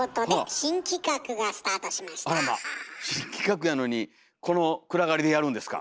新企画やのにこの暗がりでやるんですか？